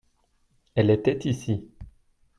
Elle était ici.